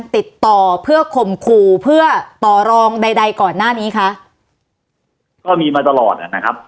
ติดต่อเพื่อข่มขู่เพื่อต่อรองใดใดก่อนหน้านี้คะก็มีมาตลอดอ่ะนะครับ